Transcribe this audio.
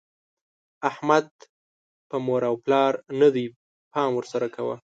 احمد په مور او پلار نه دی؛ پام ور سره کوه.